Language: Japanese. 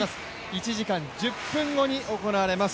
１時間１０分後に行われます